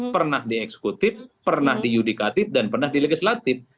pernah dieksekutif pernah diudikatif dan pernah dilegislatif